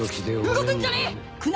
動くんじゃねえ！